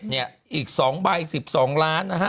เนี่ยอีก๒ใบ๑๒ล้านนะฮะ